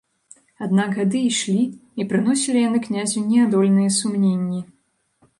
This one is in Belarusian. Аднак гады ішлі, і прыносілі яны князю неадольныя сумненні.